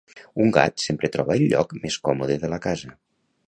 Un gat sempre troba el lloc més còmode de la casa.